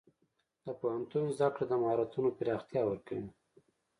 د پوهنتون زده کړه د مهارتونو پراختیا ورکوي.